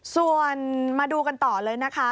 ส่วนมาดูกันต่อเลยนะคะ